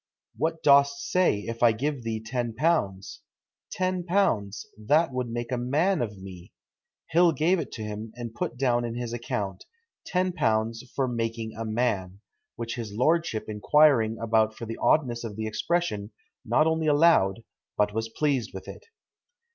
'What dost say, if I give thee ten pounds?' 'Ten pounds! that would make a man of me!' Hill gave it him, and put down in his account, '£10 for making a man,' which his lordship inquiring about for the oddness of the expression, not only allowed, but was pleased with it."